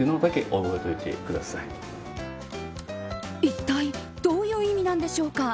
一体どういう意味なんでしょうか。